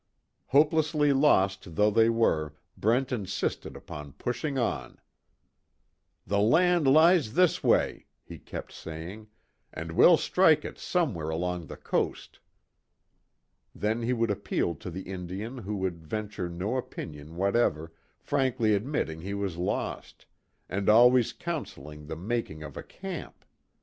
Hopelessly lost though they were, Brent insisted upon pushing on. "The land lies this way," he kept saying, "and we'll strike it somewhere along the coast." Then he would appeal to the Indian who would venture no opinion whatever, frankly admitting he was lost, and always counseling the making of a camp.